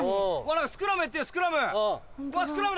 スクラムやってるスクラム！